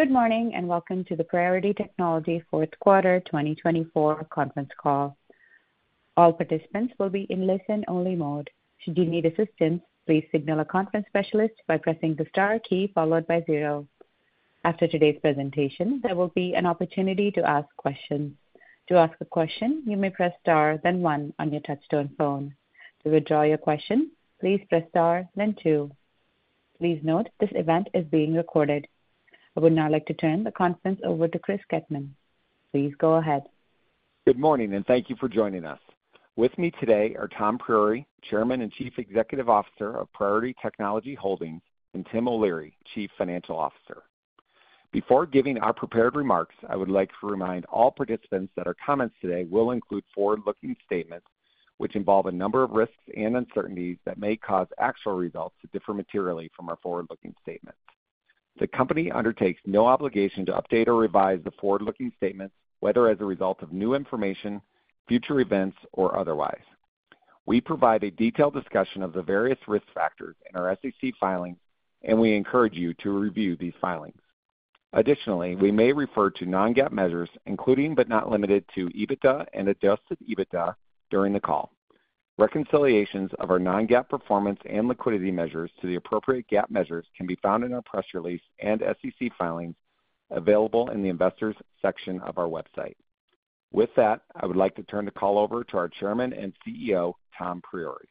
Good morning and welcome to the Priority Technology Fourth Quarter 2024 Conference Call. All participants will be in listen-only mode. Should you need assistance, please signal a conference specialist by pressing the star key followed by zero. After today's presentation, there will be an opportunity to ask questions. To ask a question, you may press star, then one on your touch-tone phone. To withdraw your question, please press star, then two. Please note this event is being recorded. I would now like to turn the conference over to Chris Kettmann. Please go ahead. Good morning and thank you for joining us. With me today are Tom Priore, Chairman and Chief Executive Officer of Priority Technology Holdings, and Tim O'Leary, Chief Financial Officer. Before giving our prepared remarks, I would like to remind all participants that our comments today will include forward-looking statements which involve a number of risks and uncertainties that may cause actual results to differ materially from our forward-looking statements. The company undertakes no obligation to update or revise the forward-looking statements, whether as a result of new information, future events, or otherwise. We provide a detailed discussion of the various risk factors in our SEC filings, and we encourage you to review these filings. Additionally, we may refer to non-GAAP measures, including but not limited to EBITDA and adjusted EBITDA during the call. Reconciliations of our non-GAAP performance and liquidity measures to the appropriate GAAP measures can be found in our press release and SEC filings available in the investors' section of our website. With that, I would like to turn the call over to our Chairman and CEO, Tom Priore.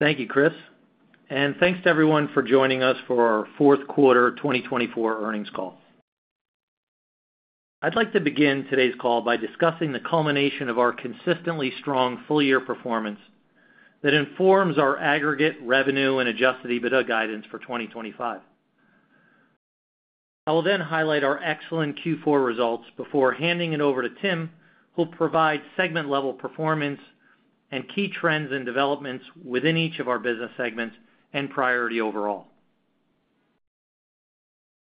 Thank you, Chris. Thank you to everyone for joining us for our Fourth Quarter 2024 Earnings Call. I'd like to begin today's call by discussing the culmination of our consistently strong full-year performance that informs our aggregate revenue and adjusted EBITDA guidance for 2025. I will then highlight our excellent Q4 results before handing it over to Tim, who will provide segment-level performance and key trends and developments within each of our business segments and Priority overall.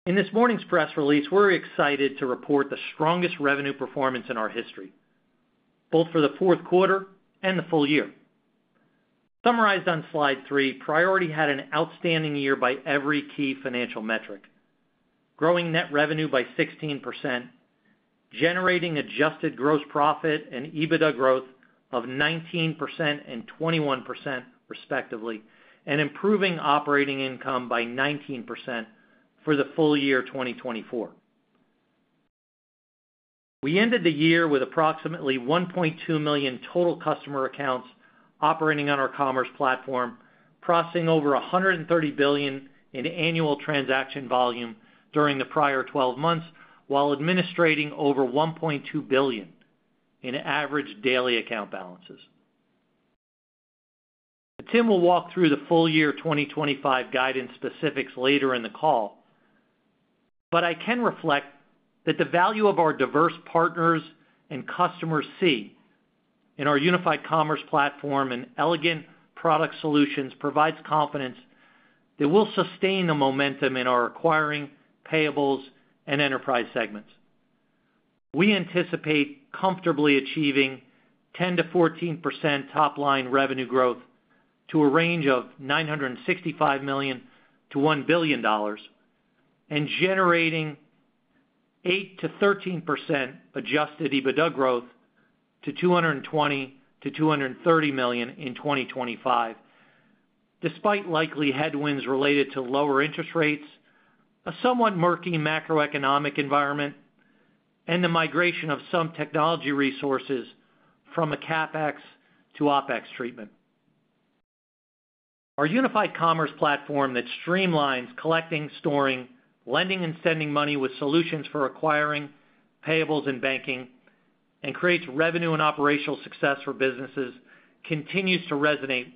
In this morning's press release, we are excited to report the strongest revenue performance in our history, both for the fourth quarter and the full year. Summarized on slide three, Priority had an outstanding year by every key financial metric, growing net revenue by 16%, generating adjusted gross profit and EBITDA growth of 19% and 21%, respectively, and improving operating income by 19% for the full year 2024. We ended the year with approximately 1.2 million total customer accounts operating on our commerce platform, processing over $130 billion in annual transaction volume during the prior 12 months, while administrating over $1.2 billion in average daily account balances. Tim will walk through the full year 2025 guidance specifics later in the call, but I can reflect that the value our diverse partners and customers see in our unified commerce platform and elegant product solutions provides confidence that we will sustain the momentum in our acquiring, payables, and enterprise segments. We anticipate comfortably achieving 10% - 14% top-line revenue growth to a range of $965 million - $1 billion and generating 8% - 13% adjusted EBITDA growth to $220 million - $230 million in 2025, despite likely headwinds related to lower interest rates, a somewhat murky macroeconomic environment, and the migration of some technology resources from a CapEx to OpEx treatment. Our unified commerce platform that streamlines collecting, storing, lending, and sending money with solutions for acquiring, payables, and banking, and creates revenue and operational success for businesses continues to resonate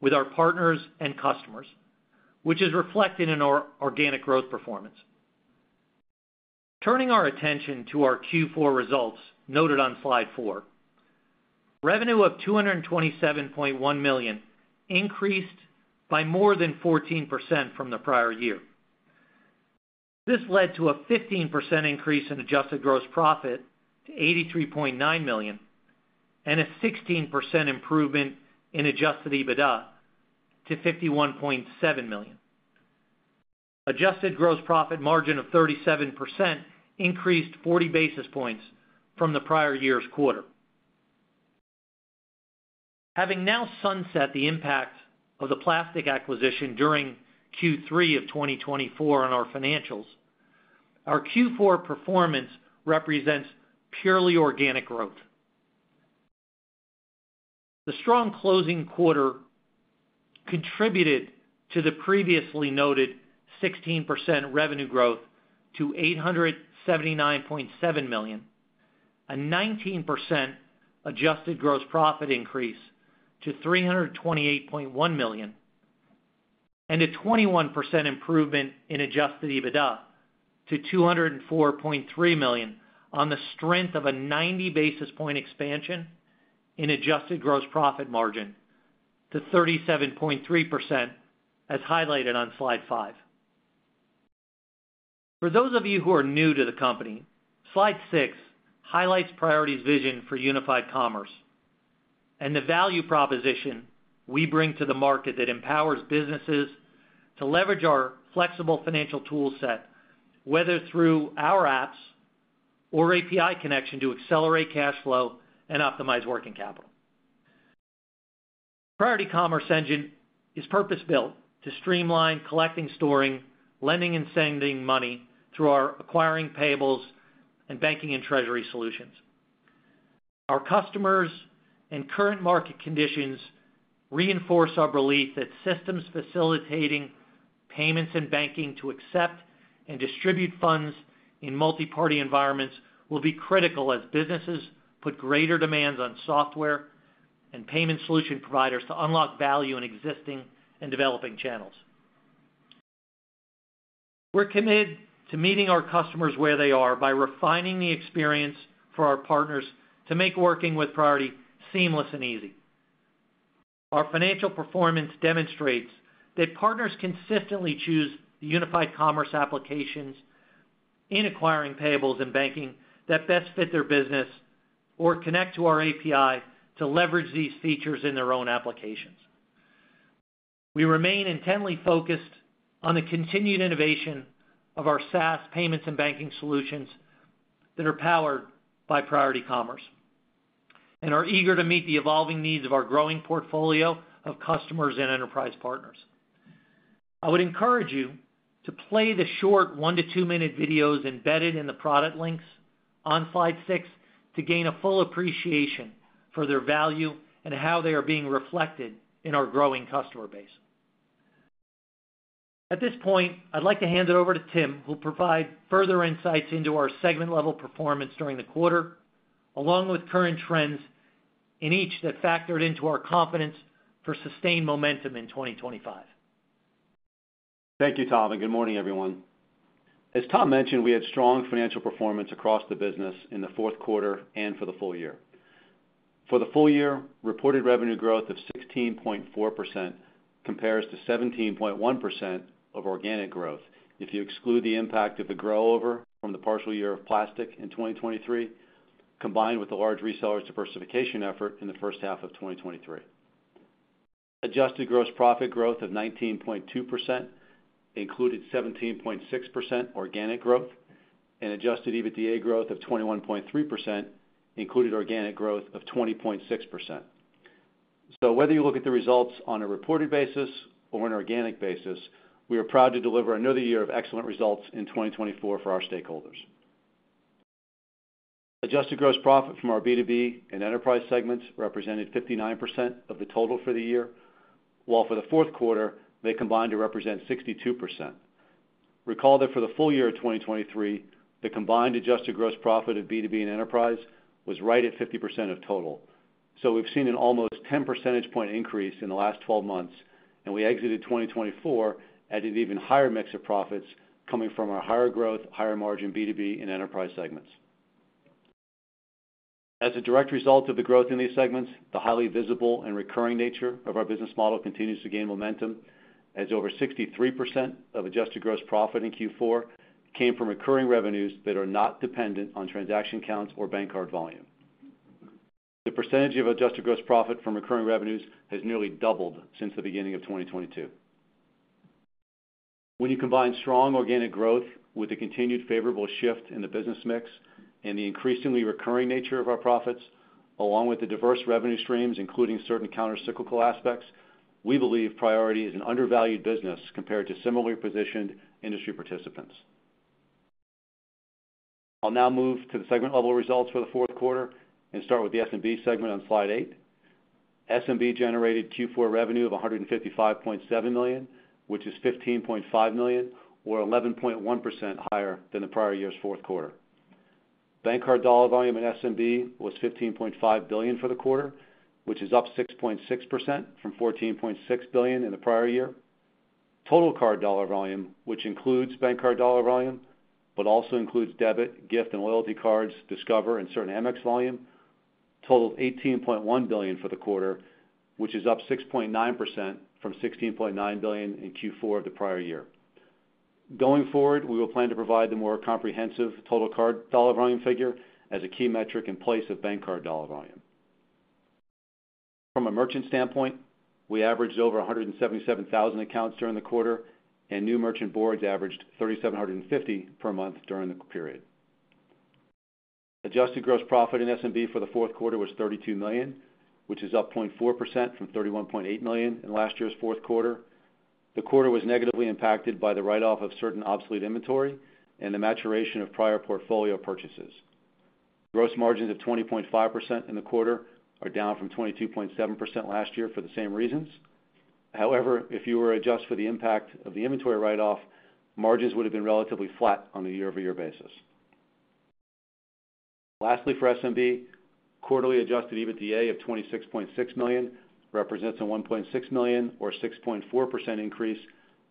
with our partners and customers, which is reflected in our organic growth performance. Turning our attention to our Q4 results noted on slide four, revenue of $227.1 million increased by more than 14% from the prior year. This led to a 15% increase in adjusted gross profit to $83.9 million and a 16% improvement in adjusted EBITDA to $51.7 million. Adjusted gross profit margin of 37% increased 40 basis points from the prior year's quarter. Having now sunset the impact of the Plastiq acquisition during Q3 of 2024 on our financials, our Q4 performance represents purely organic growth. The strong closing quarter contributed to the previously noted 16% revenue growth to $879.7 million, a 19% adjusted gross profit increase to $328.1 million, and a 21% improvement in adjusted EBITDA to $204.3 million on the strength of a 90 basis point expansion in adjusted gross profit margin to 37.3%, as highlighted on slide five. For those of you who are new to the company, slide six highlights Priority's vision for unified commerce and the value proposition we bring to the market that empowers businesses to leverage our flexible financial toolset, whether through our apps or API connection to accelerate cash flow and optimize working capital. Priority Commerce Engine is purpose-built to streamline collecting, storing, lending, and sending money through our acquiring, payables, and banking and treasury solutions. Our customers and current market conditions reinforce our belief that systems facilitating payments and banking to accept and distribute funds in multiparty environments will be critical as businesses put greater demands on software and payment solution providers to unlock value in existing and developing channels. We are committed to meeting our customers where they are by refining the experience for our partners to make working with Priority seamless and easy. Our financial performance demonstrates that partners consistently choose the unified commerce applications in acquiring, payables, and banking that best fit their business or connect to our API to leverage these features in their own applications. We remain intently focused on the continued innovation of our SaaS payments and banking solutions that are powered by Priority Commerce and are eager to meet the evolving needs of our growing portfolio of customers and enterprise partners. I would encourage you to play the short one to two-minute videos embedded in the product links on slide six to gain a full appreciation for their value and how they are being reflected in our growing customer base. At this point, I'd like to hand it over to Tim, who will provide further insights into our segment-level performance during the quarter, along with current trends in each that factored into our confidence for sustained momentum in 2025. Thank you, Tom, and good morning, everyone. As Tom mentioned, we had strong financial performance across the business in the fourth quarter and for the full year. For the full year, reported revenue growth of 16.4% compares to 17.1% of organic growth if you exclude the impact of the grow-over from the partial year of Plastiq in 2023, combined with the large reseller diversification effort in the first half of 2023. Adjusted gross profit growth of 19.2% included 17.6% organic growth, and adjusted EBITDA growth of 21.3% included organic growth of 20.6%. Whether you look at the results on a reported basis or an organic basis, we are proud to deliver another year of excellent results in 2024 for our stakeholders. Adjusted gross profit from our B2B and enterprise segments represented 59% of the total for the year, while for the fourth quarter, they combined to represent 62%. Recall that for the full year of 2023, the combined adjusted gross profit of B2B and enterprise was right at 50% of total. We have seen an almost 10 percentage point increase in the last 12 months, and we exited 2024 at an even higher mix of profits coming from our higher growth, higher margin B2B and enterprise segments. As a direct result of the growth in these segments, the highly visible and recurring nature of our business model continues to gain momentum, as over 63% of adjusted gross profit in Q4 came from recurring revenues that are not dependent on transaction counts or bank card volume. The percentage of adjusted gross profit from recurring revenues has nearly doubled since the beginning of 2022. When you combine strong organic growth with the continued favorable shift in the business mix and the increasingly recurring nature of our profits, along with the diverse revenue streams, including certain countercyclical aspects, we believe Priority is an undervalued business compared to similarly positioned industry participants. I'll now move to the segment-level results for the fourth quarter and start with the SMB segment on slide eight. SMB generated Q4 revenue of $155.7 million, which is $15.5 million or 11.1% higher than the prior year's fourth quarter. Bank card dollar volume in SMB was $15.5 billion for the quarter, which is up 6.6% from $14.6 billion in the prior year. Total card dollar volume, which includes bank card dollar volume, but also includes debit, gift, and loyalty cards, Discover, and certain Amex volume, totaled $18.1 billion for the quarter, which is up 6.9% from $16.9 billion in Q4 of the prior year. Going forward, we will plan to provide the more comprehensive total card dollar volume figure as a key metric in place of bank card dollar volume. From a merchant standpoint, we averaged over 177,000 accounts during the quarter, and new merchant boards averaged 3,750 per month during the period. Adjusted gross profit in SMB for the fourth quarter was $32 million, which is up 0.4% from $31.8 million in last year's fourth quarter. The quarter was negatively impacted by the write-off of certain obsolete inventory and the maturation of prior portfolio purchases. Gross margins of 20.5% in the quarter are down from 22.7% last year for the same reasons. However, if you were to adjust for the impact of the inventory write-off, margins would have been relatively flat on a year-over-year basis. Lastly, for SMB, quarterly adjusted EBITDA of $26.6 million represents a $1.6 million or 6.4% increase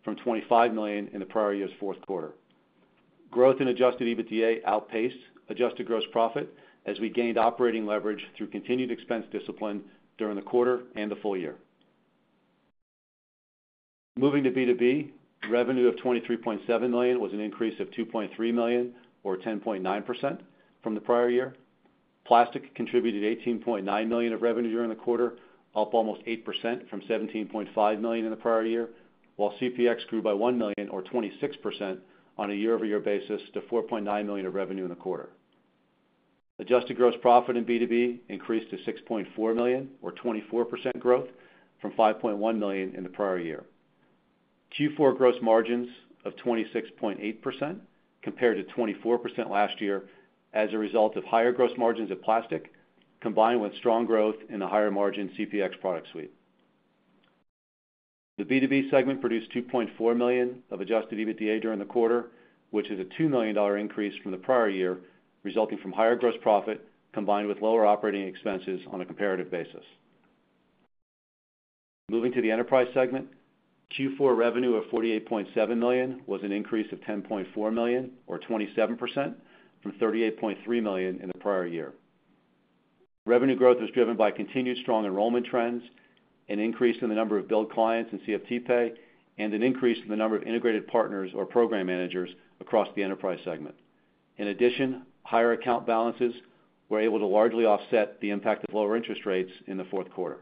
from $25 million in the prior year's fourth quarter. Growth in adjusted EBITDA outpaced adjusted gross profit as we gained operating leverage through continued expense discipline during the quarter and the full year. Moving to B2B, revenue of $23.7 million was an increase of $2.3 million or 10.9% from the prior year. Plastiq contributed $18.9 million of revenue during the quarter, up almost 8% from $17.5 million in the prior year, while CPX grew by $1 million or 26% on a year-over-year basis to $4.9 million of revenue in the quarter. Adjusted gross profit in B2B increased to $6.4 million or 24% growth from $5.1 million in the prior year. Q4 gross margins of 26.8% compared to 24% last year as a result of higher gross margins of Plastiq combined with strong growth in the higher margin CPX product suite. The B2B segment produced $2.4 million of adjusted EBITDA during the quarter, which is a $2 million increase from the prior year, resulting from higher gross profit combined with lower operating expenses on a comparative basis. Moving to the enterprise segment, Q4 revenue of $48.7 million was an increase of $10.4 million or 27% from $38.3 million in the prior year. Revenue growth was driven by continued strong enrollment trends, an increase in the number of billed clients and CFTPay, and an increase in the number of integrated partners or program managers across the enterprise segment. In addition, higher account balances were able to largely offset the impact of lower interest rates in the fourth quarter.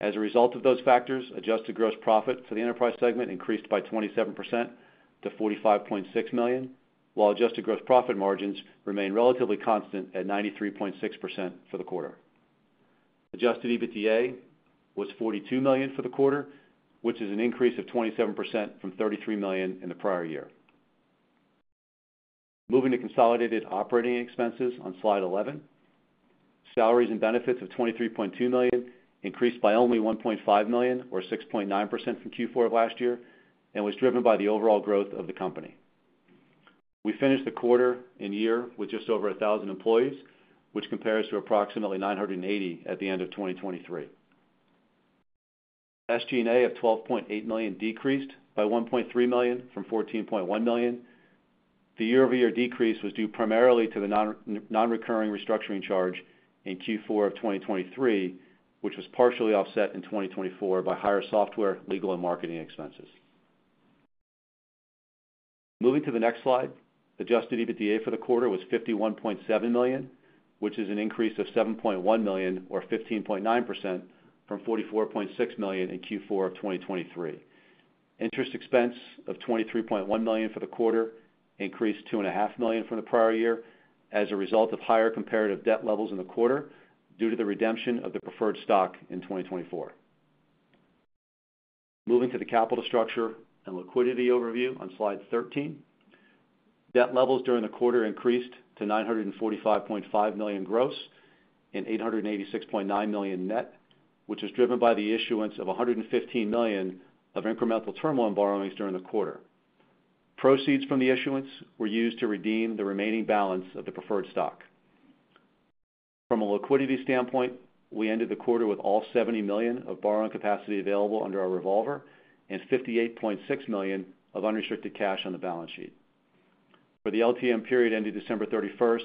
As a result of those factors, adjusted gross profit for the enterprise segment increased by 27% to $45.6 million, while adjusted gross profit margins remained relatively constant at 93.6% for the quarter. Adjusted EBITDA was $42 million for the quarter, which is an increase of 27% from $33 million in the prior year. Moving to consolidated operating expenses on slide 11, salaries and benefits of $23.2 million increased by only $1.5 million or 6.9% from Q4 of last year and was driven by the overall growth of the company. We finished the quarter and year with just over 1,000 employees, which compares to approximately 980 at the end of 2023. SG&A of $12.8 million decreased by $1.3 million from $14.1 million. The year-over-year decrease was due primarily to the non-recurring restructuring charge in Q4 of 2023, which was partially offset in 2024 by higher software, legal, and marketing expenses. Moving to the next slide, adjusted EBITDA for the quarter was $51.7 million, which is an increase of $7.1 million or 15.9% from $44.6 million in Q4 of 2023. Interest expense of $23.1 million for the quarter increased $2.5 million from the prior year as a result of higher comparative debt levels in the quarter due to the redemption of the preferred stock in 2024. Moving to the capital structure and liquidity overview on slide 13, debt levels during the quarter increased to $945.5 million gross and $886.9 million net, which was driven by the issuance of $115 million of incremental term loan borrowings during the quarter. Proceeds from the issuance were used to redeem the remaining balance of the preferred stock. From a liquidity standpoint, we ended the quarter with all $70 million of borrowing capacity available under our revolver and $58.6 million of unrestricted cash on the balance sheet. For the LTM period ended December 31,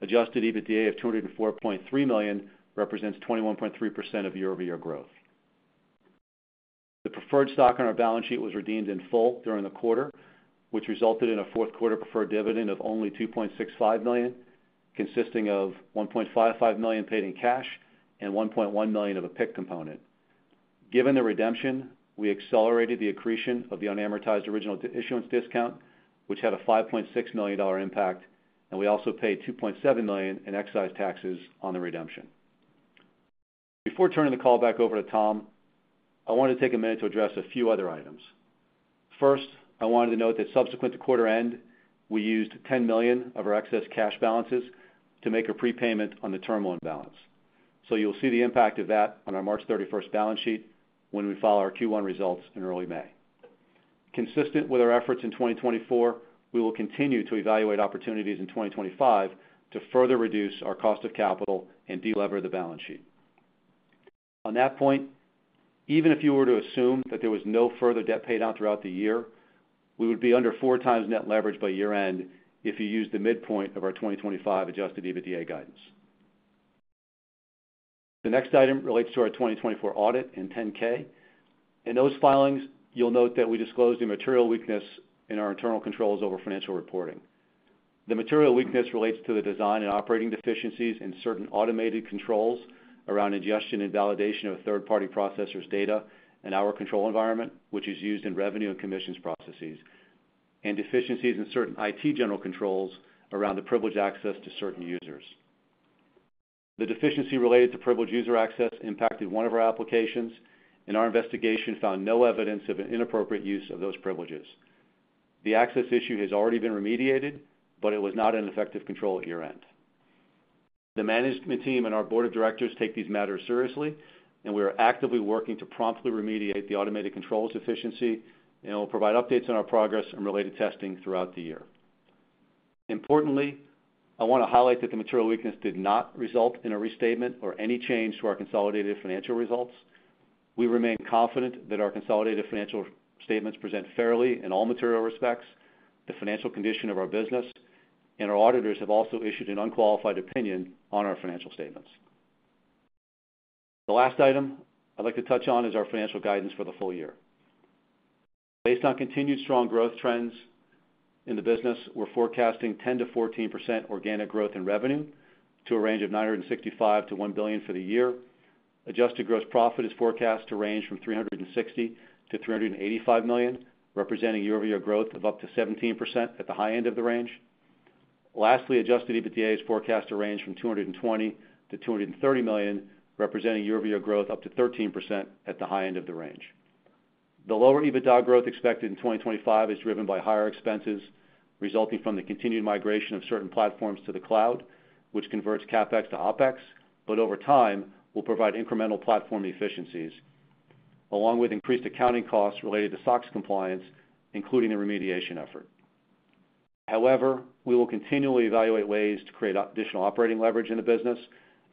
adjusted EBITDA of $204.3 million represents 21.3% of year-over-year growth. The preferred stock on our balance sheet was redeemed in full during the quarter, which resulted in a fourth quarter preferred dividend of only $2.65 million, consisting of $1.55 million paid in cash and $1.1 million of a PIK component. Given the redemption, we accelerated the accretion of the unamortized original issuance discount, which had a $5.6 million impact, and we also paid $2.7 million in excise taxes on the redemption. Before turning the call back over to Tom, I wanted to take a minute to address a few other items. First, I wanted to note that subsequent to quarter end, we used $10 million of our excess cash balances to make a prepayment on the term loan imbalance. You will see the impact of that on our March 31 balance sheet when we file our Q1 results in early May. Consistent with our efforts in 2024, we will continue to evaluate opportunities in 2025 to further reduce our cost of capital and delever the balance sheet. On that point, even if you were to assume that there was no further debt paid out throughout the year, we would be under four times net leverage by year-end if you use the midpoint of our 2025 adjusted EBITDA guidance. The next item relates to our 2024 audit and 10-K. In those filings, you will note that we disclosed the material weakness in our internal controls over financial reporting. The material weakness relates to the design and operating deficiencies in certain automated controls around ingestion and validation of third-party processors' data and our control environment, which is used in revenue and commissions processes, and deficiencies in certain IT general controls around the privileged access to certain users. The deficiency related to privileged user access impacted one of our applications, and our investigation found no evidence of an inappropriate use of those privileges. The access issue has already been remediated, but it was not an effective control at year-end. The management team and our board of directors take these matters seriously, and we are actively working to promptly remediate the automated controls deficiency, and we'll provide updates on our progress and related testing throughout the year. Importantly, I want to highlight that the material weakness did not result in a restatement or any change to our consolidated financial results. We remain confident that our consolidated financial statements present fairly in all material respects, the financial condition of our business, and our auditors have also issued an unqualified opinion on our financial statements. The last item I'd like to touch on is our financial guidance for the full year. Based on continued strong growth trends in the business, we're forecasting 10% - 14% organic growth in revenue to a range of $965 million - $1 billion for the year. Adjusted gross profit is forecast to range from $360 million - $385 million, representing year-over-year growth of up to 17% at the high end of the range. Lastly, adjusted EBITDA is forecast to range from $220 million - $230 million, representing year-over-year growth up to 13% at the high end of the range. The lower EBITDA growth expected in 2025 is driven by higher expenses resulting from the continued migration of certain platforms to the cloud, which converts CapEx to OpEx, but over time will provide incremental platform efficiencies, along with increased accounting costs related to SOX compliance, including a remediation effort. However, we will continually evaluate ways to create additional operating leverage in the business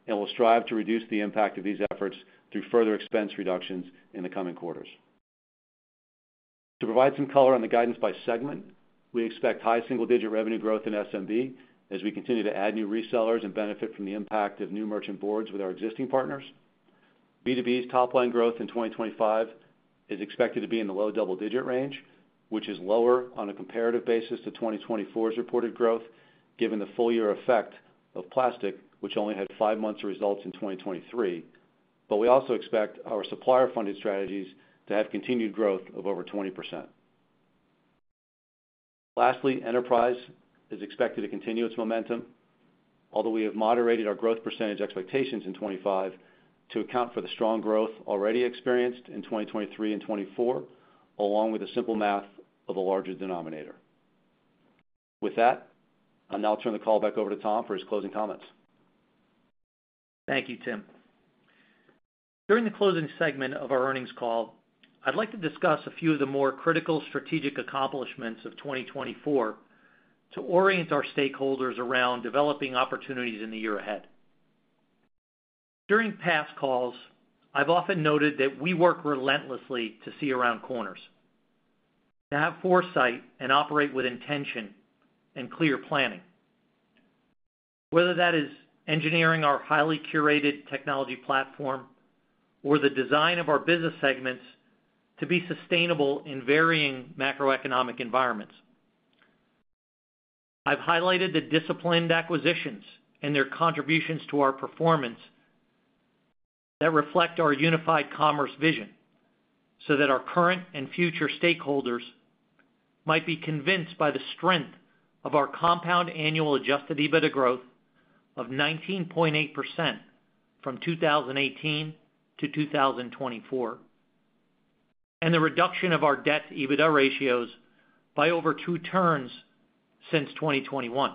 and will strive to reduce the impact of these efforts through further expense reductions in the coming quarters. To provide some color on the guidance by segment, we expect high single-digit revenue growth in SMB as we continue to add new resellers and benefit from the impact of new merchant boards with our existing partners. B2B's top-line growth in 2025 is expected to be in the low double-digit range, which is lower on a comparative basis to 2024's reported growth, given the full-year effect of Plastiq, which only had five months of results in 2023. We also expect our supplier-funded strategies to have continued growth of over 20%. Lastly, enterprise is expected to continue its momentum, although we have moderated our growth percentage expectations in 2025 to account for the strong growth already experienced in 2023 and 2024, along with the simple math of a larger denominator. With that, I'll now turn the call back over to Tom for his closing comments. Thank you, Tim. During the closing segment of our earnings call, I'd like to discuss a few of the more critical strategic accomplishments of 2024 to orient our stakeholders around developing opportunities in the year ahead. During past calls, I've often noted that we work relentlessly to see around corners, to have foresight and operate with intention and clear planning, whether that is engineering our highly curated technology platform or the design of our business segments to be sustainable in varying macroeconomic environments. I've highlighted the disciplined acquisitions and their contributions to our performance that reflect our unified commerce vision so that our current and future stakeholders might be convinced by the strength of our compound annual adjusted EBITDA growth of 19.8% from 2018 to 2024 and the reduction of our Debt/EBITDA ratios by over two turns since 2021.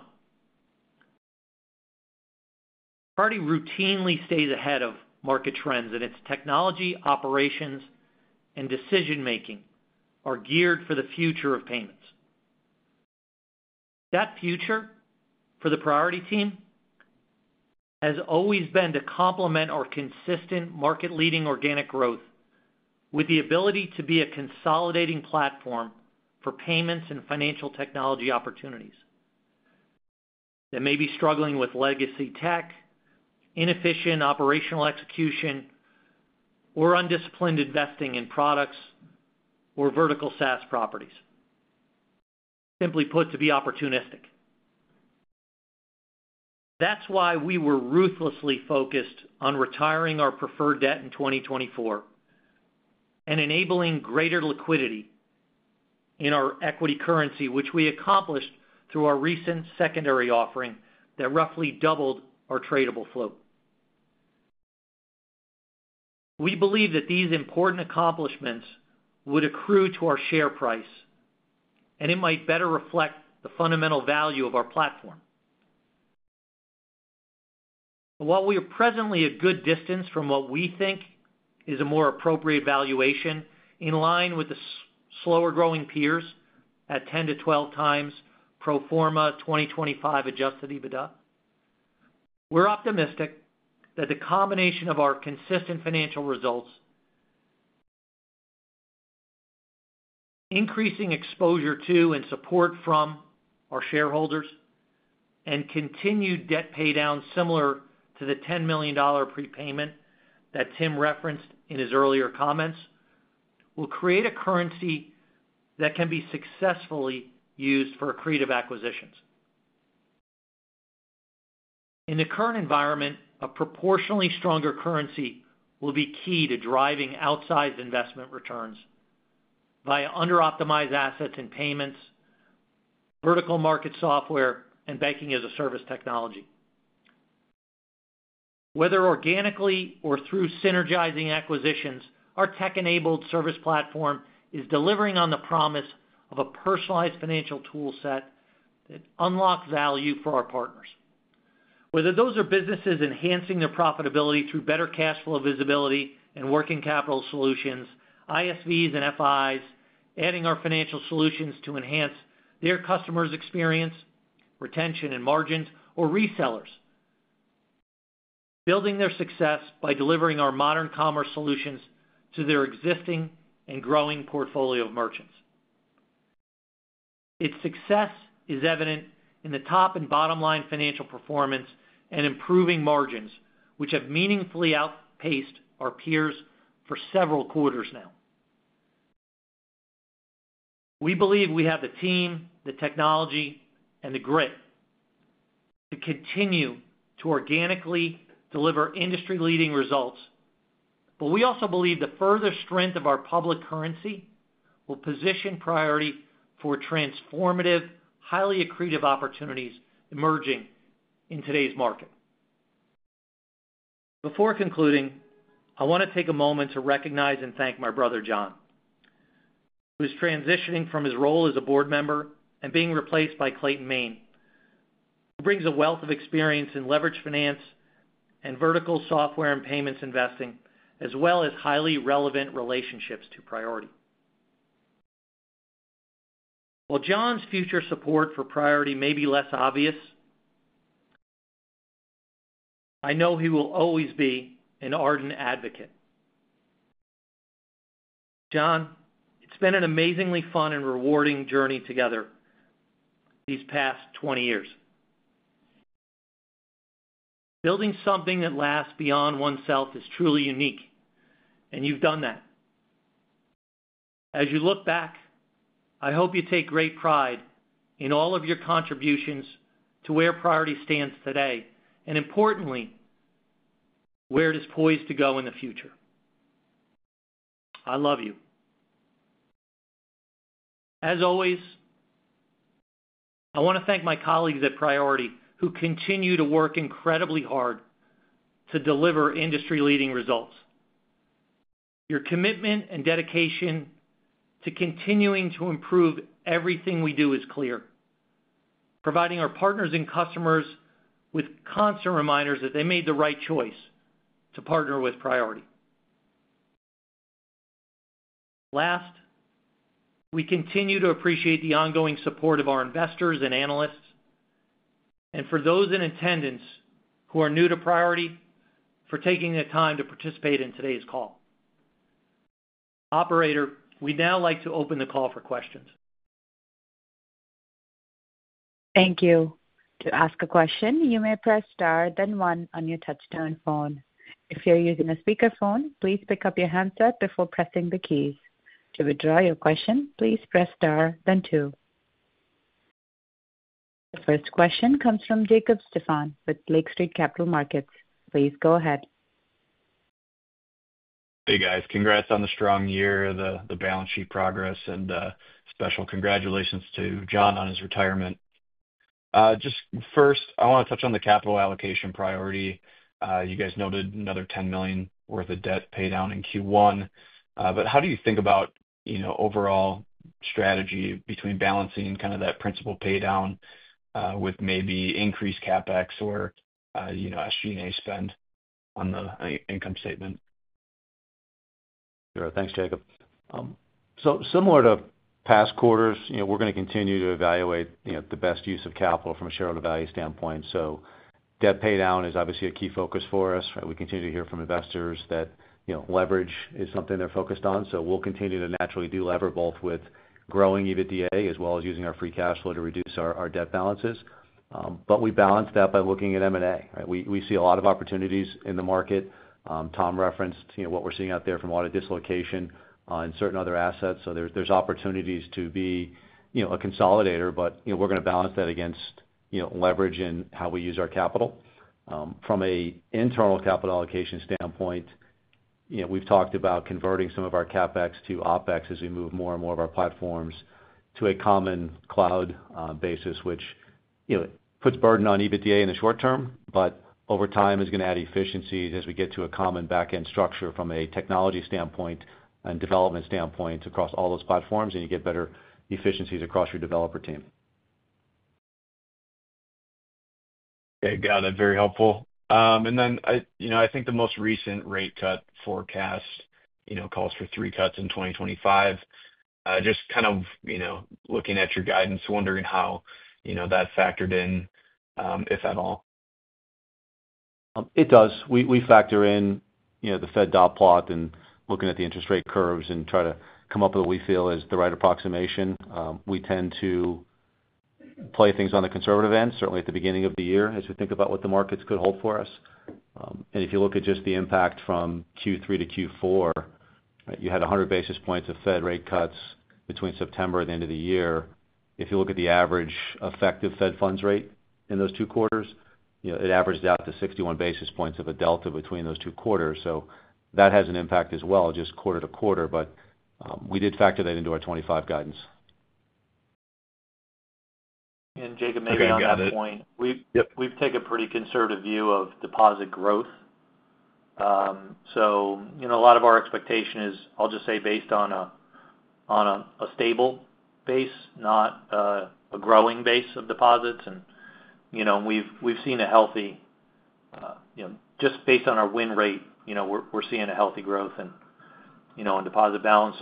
Priority routinely stays ahead of market trends, and its technology, operations, and decision-making are geared for the future of payments. That future for the Priority team has always been to complement our consistent market-leading organic growth with the ability to be a consolidating platform for payments and financial technology opportunities that may be struggling with legacy tech, inefficient operational execution, or undisciplined investing in products or vertical SaaS properties. Simply put, to be opportunistic. That's why we were ruthlessly focused on retiring our preferred debt in 2024 and enabling greater liquidity in our equity currency, which we accomplished through our recent secondary offering that roughly doubled our tradable float. We believe that these important accomplishments would accrue to our share price, and it might better reflect the fundamental value of our platform. While we are presently at good distance from what we think is a more appropriate valuation in line with the slower-growing peers at 10-12x pro forma 2025 adjusted EBITDA, we're optimistic that the combination of our consistent financial results, increasing exposure to and support from our shareholders, and continued debt paydown similar to the $10 million prepayment that Tim referenced in his earlier comments will create a currency that can be successfully used for creative acquisitions. In the current environment, a proportionally stronger currency will be key to driving outsized investment returns via under-optimized assets and payments, vertical market software, and banking-as-a-service technology. Whether organically or through synergizing acquisitions, our tech-enabled service platform is delivering on the promise of a personalized financial toolset that unlocks value for our partners. Whether those are businesses enhancing their profitability through better cash flow visibility and working capital solutions, ISVs and FIs, adding our financial solutions to enhance their customers' experience, retention, and margins, or resellers, building their success by delivering our modern commerce solutions to their existing and growing portfolio of merchants. Its success is evident in the top and bottom-line financial performance and improving margins, which have meaningfully outpaced our peers for several quarters now. We believe we have the team, the technology, and the grit to continue to organically deliver industry-leading results, but we also believe the further strength of our public currency will position Priority for transformative, highly accretive opportunities emerging in today's market. Before concluding, I want to take a moment to recognize and thank my brother, John, who is transitioning from his role as a board member and being replaced by Clayton Main, who brings a wealth of experience in leverage finance and vertical software and payments investing, as well as highly relevant relationships to Priority. While John's future support for Priority may be less obvious, I know he will always be an ardent advocate. John, it's been an amazingly fun and rewarding journey together these past 20 years. Building something that lasts beyond oneself is truly unique, and you've done that. As you look back, I hope you take great pride in all of your contributions to where Priority stands today and, importantly, where it is poised to go in the future. I love you. As always, I want to thank my colleagues at Priority who continue to work incredibly hard to deliver industry-leading results. Your commitment and dedication to continuing to improve everything we do is clear, providing our partners and customers with constant reminders that they made the right choice to partner with Priority. Last, we continue to appreciate the ongoing support of our investors and analysts, and for those in attendance who are new to Priority, for taking the time to participate in today's call. Operator, we'd now like to open the call for questions. Thank you. To ask a question, you may press star, then one on your touchtone phone. If you're using a speakerphone, please pick up your handset before pressing the keys. To withdraw your question, please press star, then two. The first question comes from Jacob Stephan with Lake Street Capital Markets. Please go ahead. Hey, guys. Congrats on the strong year, the balance sheet progress, and special congratulations to John on his retirement. Just first, I want to touch on the capital allocation priority. You guys noted another $10 million worth of debt paydown in Q1. How do you think about overall strategy between balancing kind of that principal paydown with maybe increased CapEx or SG&A spend on the income statement? Sure. Thanks, Jacob. Similar to past quarters, we're going to continue to evaluate the best use of capital from a shareholder value standpoint. Debt paydown is obviously a key focus for us. We continue to hear from investors that leverage is something they're focused on. We'll continue to naturally delever both with growing EBITDA as well as using our free cash flow to reduce our debt balances. We balance that by looking at M&A. We see a lot of opportunities in the market. Tom referenced what we're seeing out there from a lot of dislocation on certain other assets. There are opportunities to be a consolidator, but we're going to balance that against leverage and how we use our capital. From an internal capital allocation standpoint, we've talked about converting some of our CapEx to OpEx as we move more and more of our platforms to a common cloud basis, which puts burden on EBITDA in the short term, but over time is going to add efficiencies as we get to a common back-end structure from a technology standpoint and development standpoint across all those platforms, and you get better efficiencies across your developer team. Hey, got it. Very helpful. I think the most recent rate cut forecast calls for three cuts in 2025. Just kind of looking at your guidance, wondering how that factored in, if at all. It does. We factor in the Fed dot plot and looking at the interest rate curves and try to come up with what we feel is the right approximation. We tend to play things on the conservative end, certainly at the beginning of the year, as we think about what the markets could hold for us. If you look at just the impact from Q3 to Q4, you had 100 basis points of Fed rate cuts between September and the end of the year. If you look at the average effective Fed funds rate in those two quarters, it averaged out to 61 basis points of a delta between those two quarters. That has an impact as well, just quarter to quarter. We did factor that into our 2025 guidance. Jacob, maybe on that point. We've taken a pretty conservative view of deposit growth. A lot of our expectation is, I'll just say, based on a stable base, not a growing base of deposits. We've seen a healthy, just based on our win rate, we're seeing a healthy growth in deposit balance.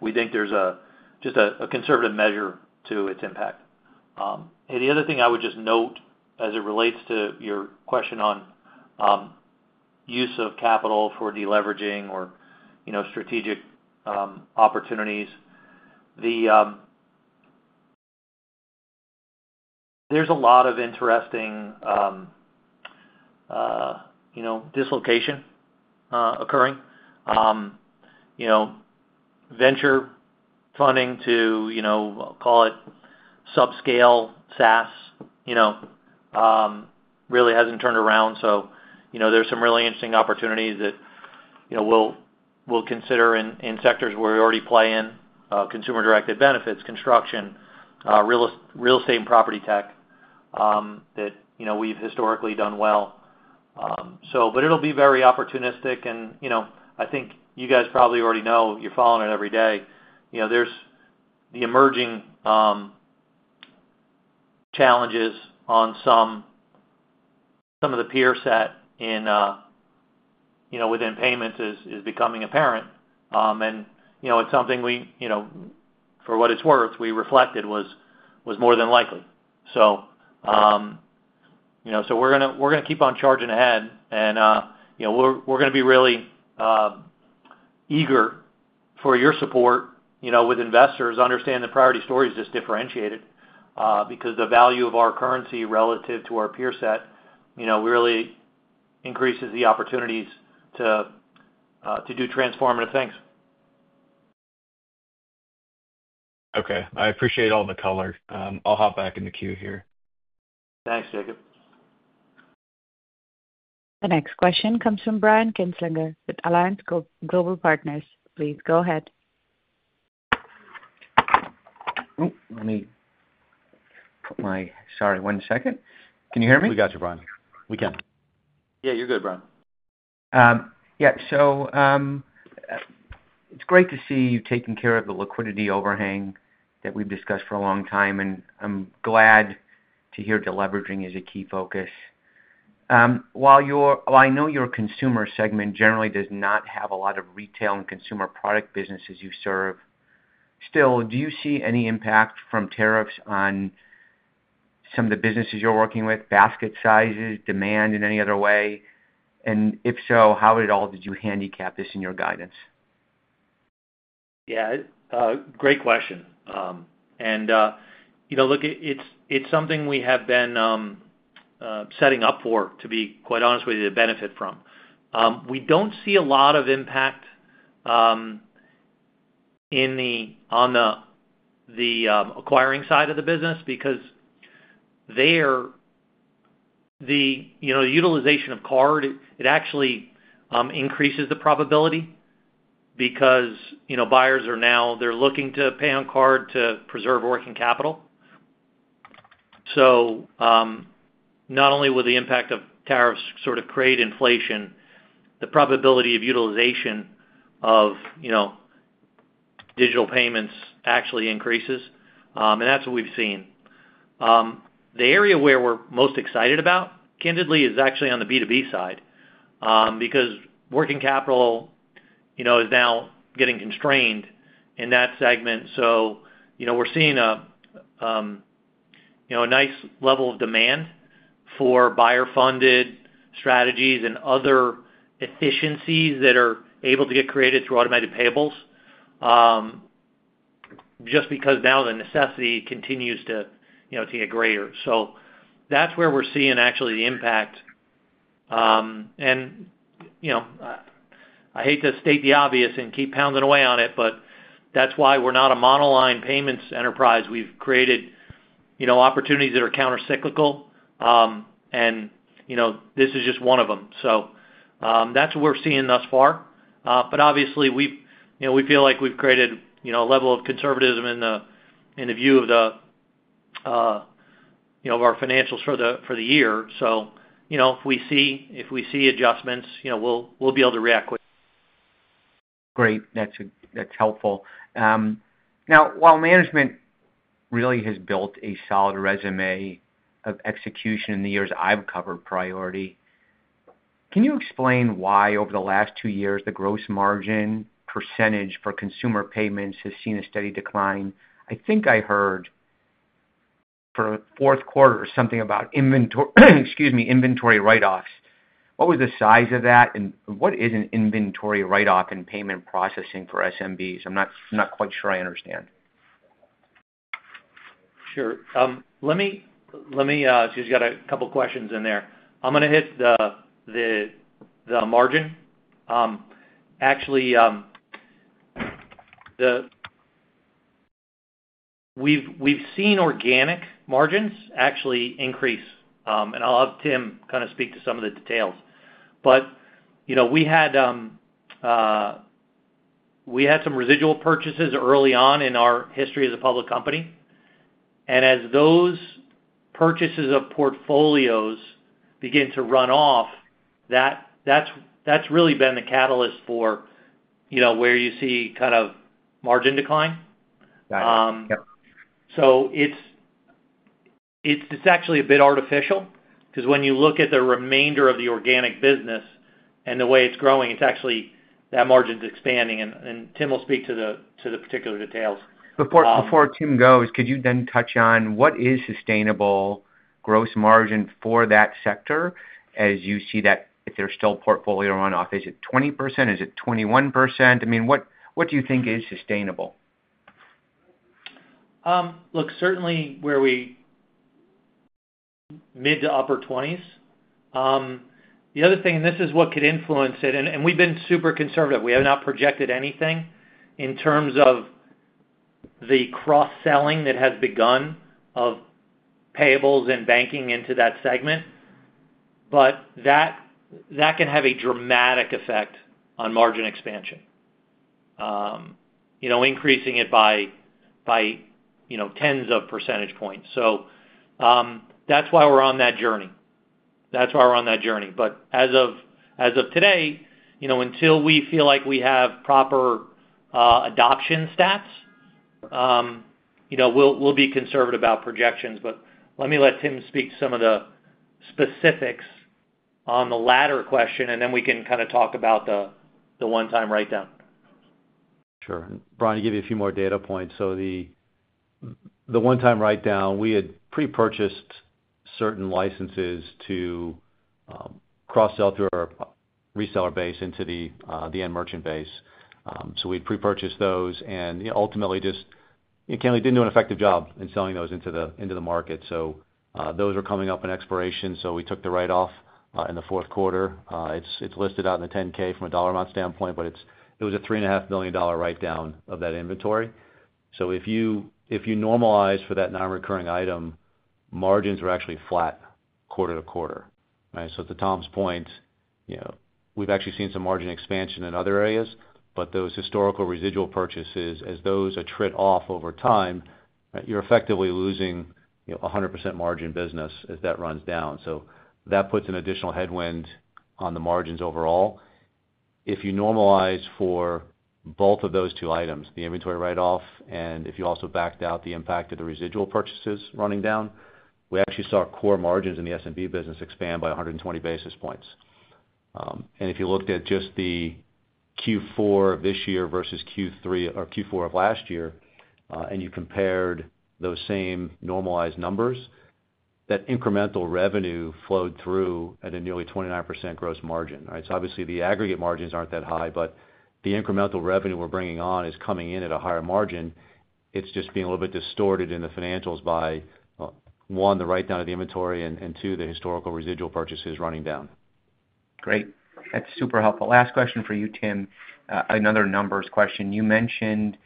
We think there's just a conservative measure to its impact. The other thing I would just note as it relates to your question on use of capital for deleveraging or strategic opportunities, there's a lot of interesting dislocation occurring. Venture funding to, call it, subscale SaaS really hasn't turned around. There are some really interesting opportunities that we'll consider in sectors where we already play in consumer-directed benefits, construction, real estate, and property tech that we've historically done well. It'll be very opportunistic. I think you guys probably already know, you're following it every day. There's the emerging challenges on some of the peer set within payments is becoming apparent. It's something we, for what it's worth, we reflected was more than likely. We're going to keep on charging ahead. We're going to be really eager for your support with investors. Understand the Priority story is just differentiated because the value of our currency relative to our peer set really increases the opportunities to do transformative things. Okay. I appreciate all the color. I'll hop back in the queue here. Thanks, Jacob. The next question comes from Brian Kinstlinger with Alliance Global Partners. Please go ahead. Oh, let me put my, sorry, one second. Can you hear me? We got you, Brian. We can. Yeah, you're good, Brian. Yeah. It's great to see you taking care of the liquidity overhang that we've discussed for a long time. I'm glad to hear deleveraging is a key focus. While I know your consumer segment generally does not have a lot of retail and consumer product businesses you serve, still, do you see any impact from tariffs on some of the businesses you're working with, basket sizes, demand in any other way? If so, how at all did you handicap this in your guidance? Great question. Look, it's something we have been setting up for, to be quite honest with you, to benefit from. We don't see a lot of impact on the acquiring side of the business because the utilization of card actually increases the probability because buyers are now looking to pay on card to preserve working capital. Not only will the impact of tariffs sort of create inflation, the probability of utilization of digital payments actually increases. That is what we have seen. The area where we are most excited about, candidly, is actually on the B2B side because working capital is now getting constrained in that segment. We are seeing a nice level of demand for buyer-funded strategies and other efficiencies that are able to get created through automated payables just because now the necessity continues to get greater. That is where we are seeing actually the impact. I hate to state the obvious and keep pounding away on it, but that is why we are not a monoline payments enterprise. We have created opportunities that are countercyclical. This is just one of them. That is what we are seeing thus far. Obviously, we feel like we've created a level of conservatism in the view of our financials for the year. If we see adjustments, we'll be able to react quickly. Great. That's helpful. Now, while management really has built a solid resume of execution in the years I've covered Priority, can you explain why over the last two years the gross margin percentage for consumer payments has seen a steady decline? I think I heard for fourth quarter or something about, excuse me, inventory write-offs. What was the size of that? What is an inventory write-off in payment processing for SMBs? I'm not quite sure I understand. Sure. Let me, just got a couple of questions in there. I'm going to hit the margin. Actually, we've seen organic margins actually increase. I'll have Tim kind of speak to some of the details. We had some residual purchases early on in our history as a public company. As those purchases of portfolios begin to run off, that's really been the catalyst for where you see kind of margin decline. It's actually a bit artificial because when you look at the remainder of the organic business and the way it's growing, it's actually that margin's expanding. Tim will speak to the particular details. Before Tim goes, could you then touch on what is sustainable gross margin for that sector as you see that if there's still portfolio runoff? Is it 20%? Is it 21%? I mean, what do you think is sustainable? Look, certainly where we mid to upper 20s. The other thing, and this is what could influence it, and we've been super conservative. We have not projected anything in terms of the cross-selling that has begun of payables and banking into that segment. That can have a dramatic effect on margin expansion, increasing it by tens of percentage points. That is why we are on that journey. That is why we are on that journey. As of today, until we feel like we have proper adoption stats, we will be conservative about projections. Let me let Tim speak to some of the specifics on the latter question, and then we can kind of talk about the one-time write-down. Sure. Brian, I will give you a few more data points. The one-time write-down, we had pre-purchased certain licenses to cross-sell through our reseller base into the end merchant base. We had pre-purchased those. Ultimately, just candidly, we did not do an effective job in selling those into the market. Those were coming up on expiration. We took the write-off in the fourth quarter. It is listed out in the 10-K from a dollar amount standpoint, but it was a $3.5 million write-down of that inventory. If you normalize for that non-recurring item, margins were actually flat quarter to quarter. To Tom's point, we have actually seen some margin expansion in other areas. Those historical residual purchases, as those are tricked off over time, you are effectively losing 100% margin business as that runs down. That puts an additional headwind on the margins overall. If you normalize for both of those two items, the inventory write-off and if you also backed out the impact of the residual purchases running down, we actually saw core margins in the SMB business expand by 120 basis points. If you looked at just the Q4 of this year versus Q4 of last year and you compared those same normalized numbers, that incremental revenue flowed through at a nearly 29% gross margin. Right? Obviously, the aggregate margins aren't that high, but the incremental revenue we're bringing on is coming in at a higher margin. It's just being a little bit distorted in the financials by, one, the write-down of the inventory, and two, the historical residual purchases running down. Great. That's super helpful. Last question for you, Tim. Another numbers question. You mentioned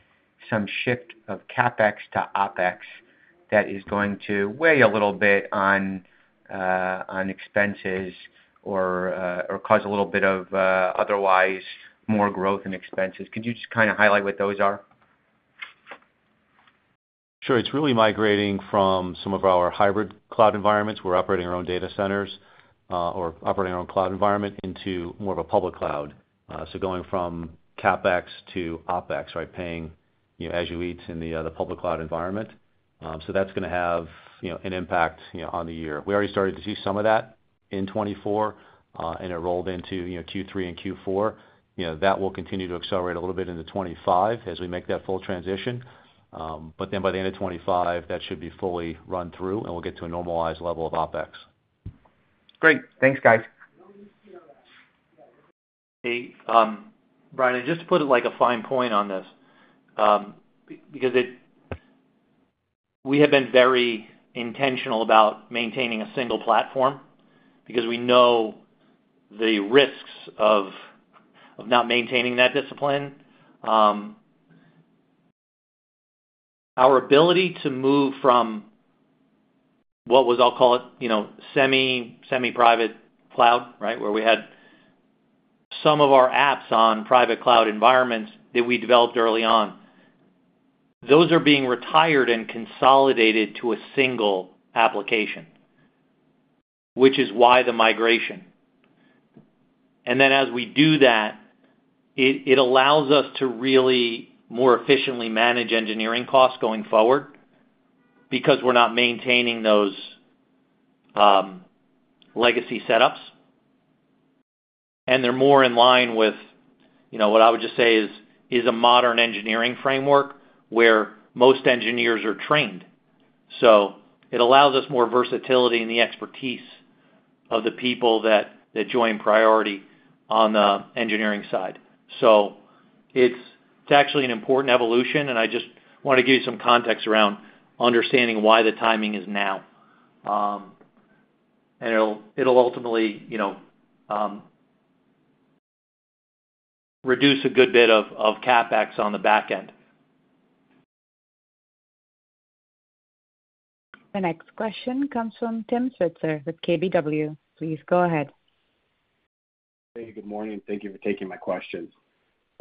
some shift of CapEx to OpEx that is going to weigh a little bit on expenses or cause a little bit of otherwise more growth in expenses. Could you just kind of highlight what those are? Sure. It's really migrating from some of our hybrid cloud environments. We're operating our own data centers or operating our own cloud environment into more of a public cloud. Going from CapEx to OpEx, right, paying as you eat in the public cloud environment. That is going to have an impact on the year. We already started to see some of that in 2024, and it rolled into Q3 and Q4. That will continue to accelerate a little bit into 2025 as we make that full transition. By the end of 2025, that should be fully run through, and we'll get to a normalized level of OpEx. Great. Thanks, guys. Hey, Brian, and just to put it like a fine point on this because we have been very intentional about maintaining a single platform because we know the risks of not maintaining that discipline. Our ability to move from what was, I'll call it semi-private cloud, right, where we had some of our apps on private cloud environments that we developed early on, those are being retired and consolidated to a single application, which is why the migration. As we do that, it allows us to really more efficiently manage engineering costs going forward because we're not maintaining those legacy setups. They are more in line with what I would just say is a modern engineering framework where most engineers are trained. It allows us more versatility in the expertise of the people that join Priority on the engineering side. It is actually an important evolution. I just want to give you some context around understanding why the timing is now. It will ultimately reduce a good bit of CapEx on the back end. The next question comes from Tim Switzer with KBW. Please go ahead. Hey, good morning. Thank you for taking my questions.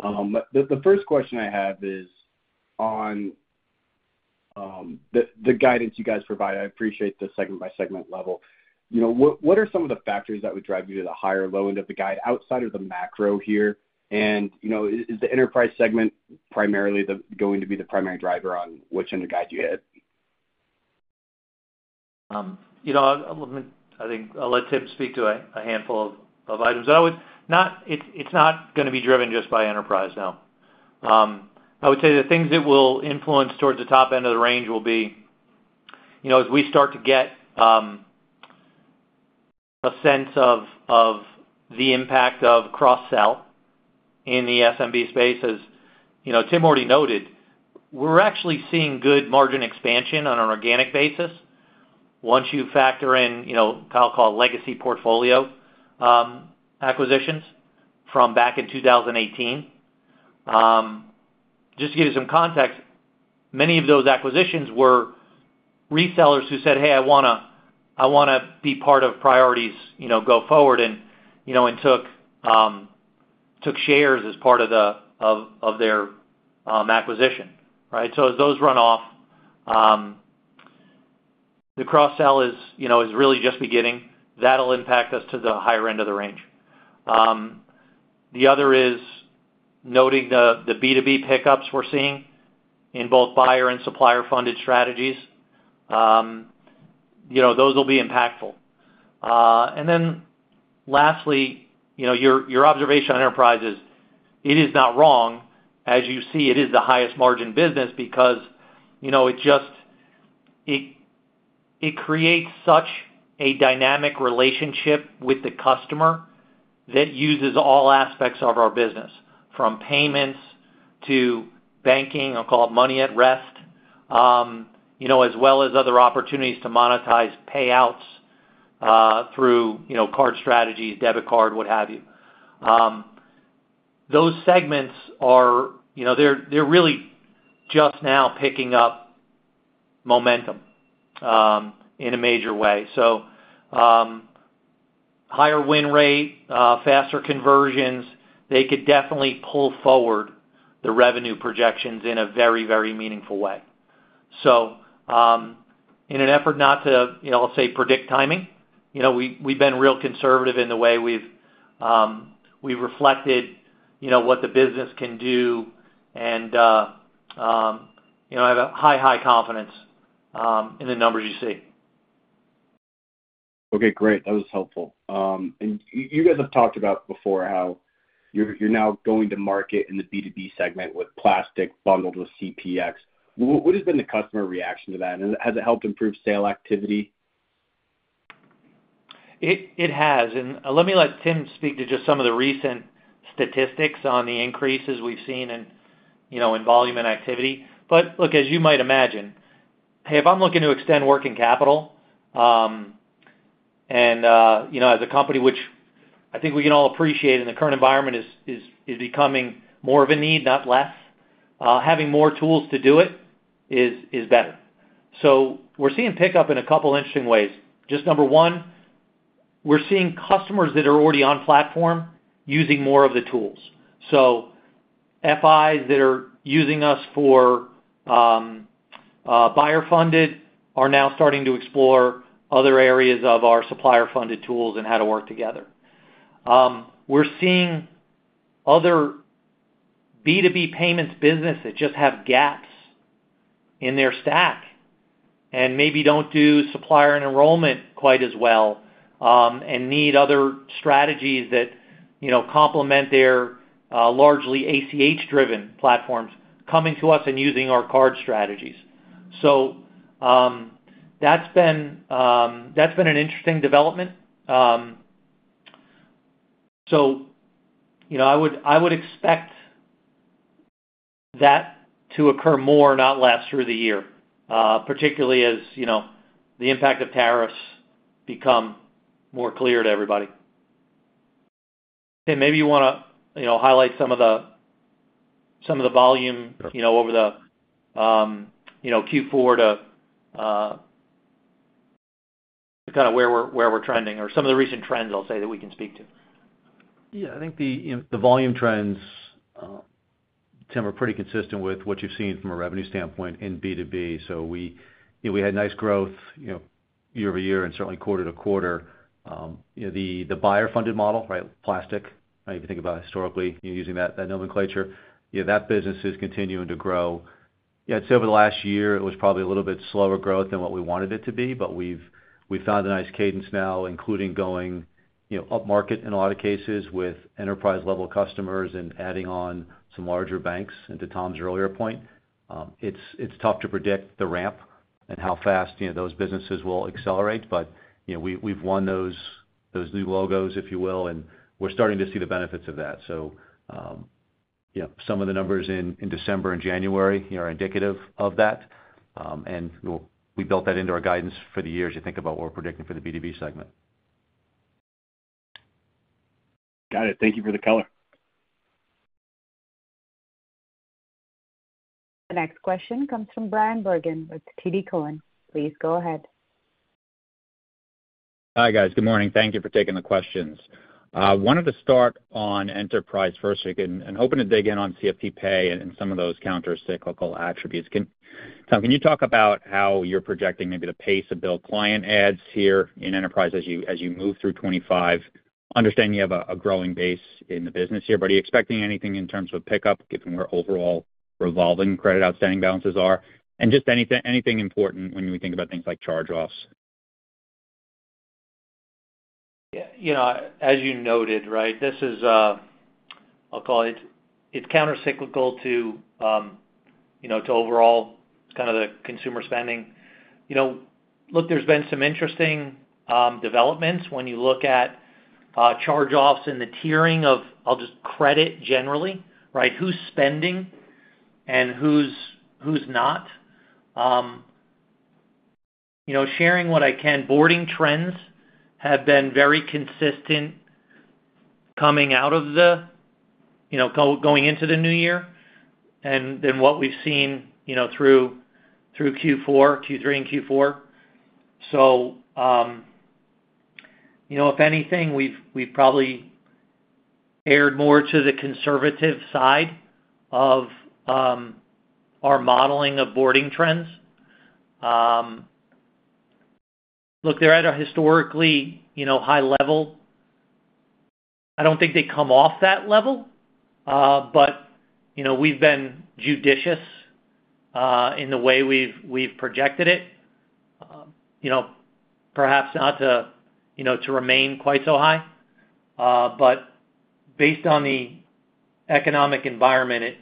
The first question I have is on the guidance you guys provide. I appreciate the segment-by-segment level. What are some of the factors that would drive you to the higher low end of the guide outside of the macro here? Is the enterprise segment primarily going to be the primary driver on which end of the guide you hit? I think I'll let Tim speak to a handful of items. It's not going to be driven just by enterprise, no. I would say the things that will influence towards the top end of the range will be as we start to get a sense of the impact of cross-sell in the SMB space, as Tim already noted, we're actually seeing good margin expansion on an organic basis. Once you factor in, I'll call it legacy portfolio acquisitions from back in 2018. Just to give you some context, many of those acquisitions were resellers who said, "Hey, I want to be part of Priority's go-forward," and took shares as part of their acquisition. Right? As those run off, the cross-sell is really just beginning. That'll impact us to the higher end of the range. The other is noting the B2B pickups we're seeing in both buyer and supplier-funded strategies. Those will be impactful. Lastly, your observation on enterprises, it is not wrong as you see it is the highest margin business because it creates such a dynamic relationship with the customer that uses all aspects of our business, from payments to banking, I'll call it money at rest, as well as other opportunities to monetize payouts through card strategies, debit card, what have you. Those segments, they're really just now picking up momentum in a major way. Higher win rate, faster conversions, they could definitely pull forward the revenue projections in a very, very meaningful way. In an effort not to, I'll say, predict timing, we've been real conservative in the way we've reflected what the business can do and have a high, high confidence in the numbers you see. Okay. Great. That was helpful. You guys have talked about before how you're now going to market in the B2B segment with Plastiq bundled with CPX. What has been the customer reaction to that? Has it helped improve sale activity? It has. Let Tim speak to just some of the recent statistics on the increases we've seen in volume and activity. Look, as you might imagine, if I'm looking to extend working capital and as a company, which I think we can all appreciate in the current environment, is becoming more of a need, not less, having more tools to do it is better. We're seeing pickup in a couple of interesting ways. Number one, we're seeing customers that are already on platform using more of the tools. FIs that are using us for buyer-funded are now starting to explore other areas of our supplier-funded tools and how to work together. We're seeing other B2B payments businesses that just have gaps in their stack and maybe do not do supplier and enrollment quite as well and need other strategies that complement their largely ACH-driven platforms coming to us and using our card strategies. That's been an interesting development. I would expect that to occur more, not less, through the year, particularly as the impact of tariffs become more clear to everybody. Tim, maybe you want to highlight some of the volume over the Q4 to kind of where we're trending or some of the recent trends, I'll say, that we can speak to. Yeah. I think the volume trends, Tim, are pretty consistent with what you've seen from a revenue standpoint in B2B. We had nice growth year over year and certainly quarter to quarter. The buyer-funded model, right, Plastiq, if you think about historically using that nomenclature, that business is continuing to grow. Yeah, I'd say over the last year, it was probably a little bit slower growth than what we wanted it to be. We have found a nice cadence now, including going up market in a lot of cases with enterprise-level customers and adding on some larger banks. To Tom's earlier point, it is tough to predict the ramp and how fast those businesses will accelerate. We have won those new logos, if you will, and we are starting to see the benefits of that. Some of the numbers in December and January are indicative of that. We built that into our guidance for the year as you think about what we are predicting for the B2B segment. Got it. Thank you for the color. The next question comes from Bryan Bergin with TD Cowen. Please go ahead. Hi guys. Good morning. Thank you for taking the questions. Wanted to start on enterprise first. I am hoping to dig in on CFPPay and some of those countercyclical attributes. Tom, can you talk about how you're projecting maybe the pace of bill client ads here in enterprise as you move through 2025? Understanding you have a growing base in the business here, but are you expecting anything in terms of pickup, given where overall revolving credit outstanding balances are? Just anything important when we think about things like charge-offs. Yeah. As you noted, right, this is, I'll call it, it's countercyclical to overall kind of the consumer spending. Look, there's been some interesting developments when you look at charge-offs and the tiering of, I'll just credit generally, right, who's spending and who's not. Sharing what I can, boarding trends have been very consistent coming out of the going into the new year. What we've seen through Q4, Q3, and Q4. If anything, we've probably erred more to the conservative side of our modeling of boarding trends. Look, they're at a historically high level. I don't think they come off that level, but we've been judicious in the way we've projected it, perhaps not to remain quite so high. Based on the economic environment,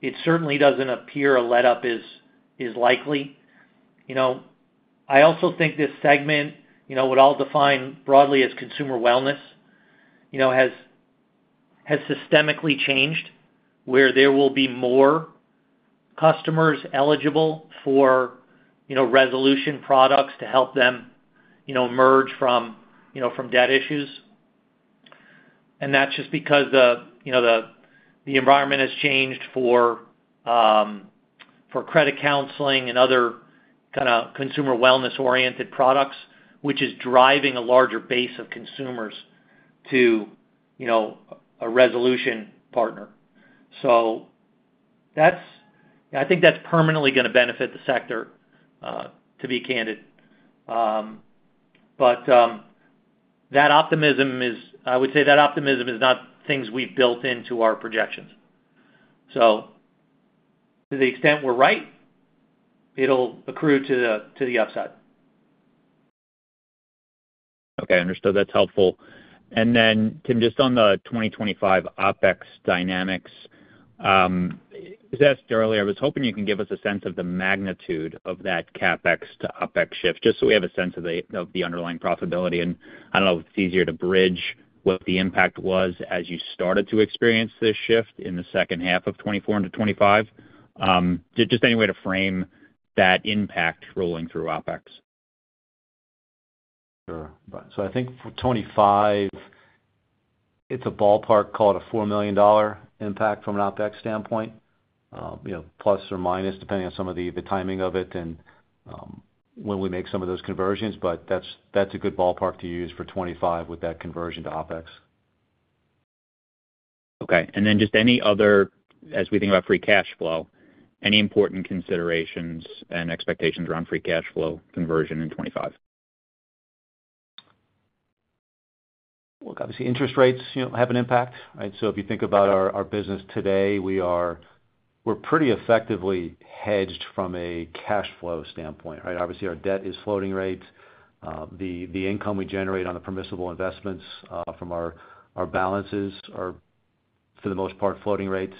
it certainly doesn't appear a let-up is likely. I also think this segment, what I'll define broadly as consumer wellness, has systemically changed where there will be more customers eligible for resolution products to help them emerge from debt issues. That's just because the environment has changed for credit counseling and other kind of consumer wellness-oriented products, which is driving a larger base of consumers to a resolution partner. I think that's permanently going to benefit the sector, to be candid. I would say that optimism is not things we've built into our projections. To the extent we're right, it'll accrue to the upside. Okay. Understood. That's helpful. Tim, just on the 2025 OpEx dynamics, as I asked earlier, I was hoping you can give us a sense of the magnitude of that CapEx to OpEx shift, just so we have a sense of the underlying profitability. I don't know if it's easier to bridge what the impact was as you started to experience this shift in the second half of 2024 into 2025. Just any way to frame that impact rolling through OpEx? Sure. I think for 2025, it's a ballpark, call it a $4 million impact from an OpEx standpoint, plus or minus, depending on some of the timing of it and when we make some of those conversions. That's a good ballpark to use for 2025 with that conversion to OpEx. Okay. Then just any other, as we think about free cash flow, any important considerations and expectations around free cash flow conversion in 2025? Look, obviously, interest rates have an impact. Right? If you think about our business today, we're pretty effectively hedged from a cash flow standpoint. Right? Obviously, our debt is floating rates. The income we generate on the permissible investments from our balances are, for the most part, floating rates,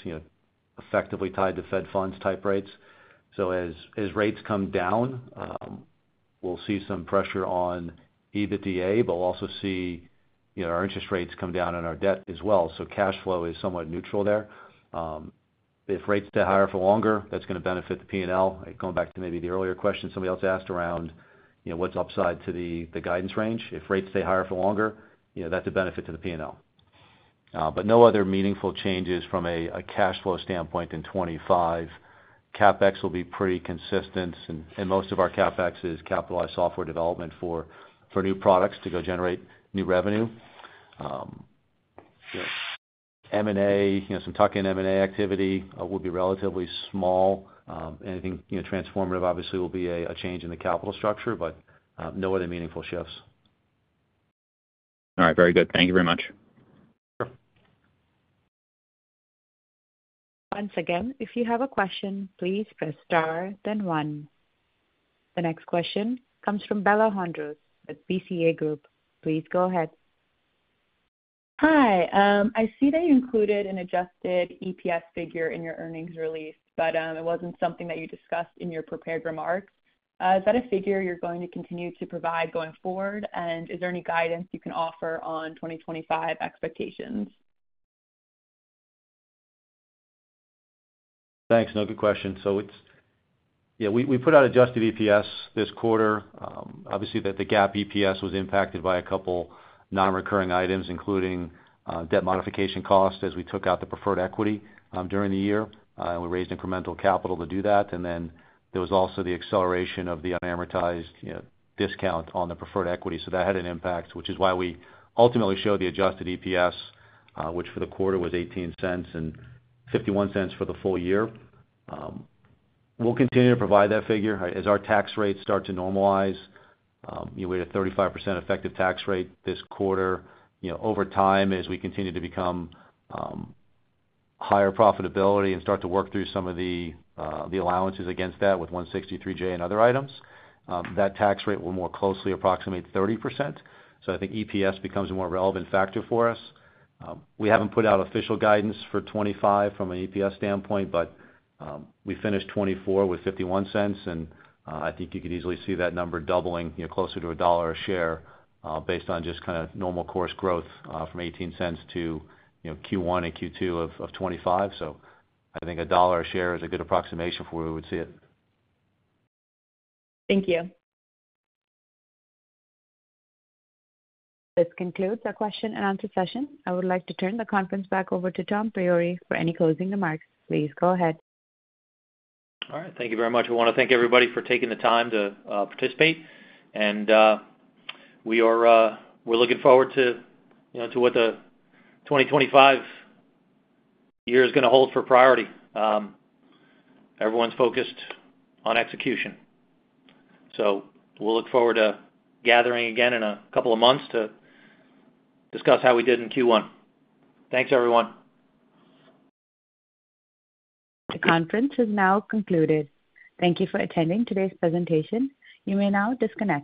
effectively tied to Fed funds type rates. As rates come down, we'll see some pressure on EBITDA, but we'll also see our interest rates come down on our debt as well. Cash flow is somewhat neutral there. If rates stay higher for longer, that's going to benefit the P&L. Going back to maybe the earlier question somebody else asked around what's upside to the guidance range. If rates stay higher for longer, that's a benefit to the P&L. No other meaningful changes from a cash flow standpoint in 2025. CapEx will be pretty consistent. Most of our CapEx is capitalized software development for new products to go generate new revenue. M&A, some tuck-in M&A activity will be relatively small. Anything transformative, obviously, will be a change in the capital structure, but no other meaningful shifts. All right. Very good. Thank you very much. Sure. Once again, if you have a question, please press star, then one. The next question comes from Bella Hondros with BCA Group. Please go ahead. Hi. I see that you included an adjusted EPS figure in your earnings release, but it wasn't something that you discussed in your prepared remarks. Is that a figure you're going to continue to provide going forward? And is there any guidance you can offer on 2025 expectations? Thanks. No, good question. So yeah, we put out adjusted EPS this quarter. Obviously, the GAAP EPS was impacted by a couple of non-recurring items, including debt modification costs as we took out the preferred equity during the year. We raised incremental capital to do that. There was also the acceleration of the unamortized discount on the preferred equity. That had an impact, which is why we ultimately showed the adjusted EPS, which for the quarter was $0.18 and $0.51 for the full year. We'll continue to provide that figure. As our tax rates start to normalize, we had a 35% effective tax rate this quarter. Over time, as we continue to become higher profitability and start to work through some of the allowances against that with 163(j) and other items, that tax rate will more closely approximate 30%. I think EPS becomes a more relevant factor for us. We haven't put out official guidance for 2025 from an EPS standpoint, but we finished 2024 with $0.51. I think you could easily see that number doubling closer to $1 a share based on just kind of normal course growth from $0.18 to Q1 and Q2 of 2025. I think $1 a share is a good approximation for where we would see it. Thank you. This concludes our question-and-answer session. I would like to turn the conference back over to Tom Priore for any closing remarks. Please go ahead. All right. Thank you very much. I want to thank everybody for taking the time to participate. We are looking forward to what the 2025 year is going to hold for Priority. Everyone's focused on execution. We will look forward to gathering again in a couple of months to discuss how we did in Q1. Thanks, everyone. The conference is now concluded. Thank you for attending today's presentation. You may now disconnect.